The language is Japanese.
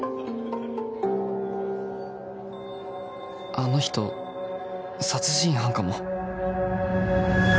あの人殺人犯かも。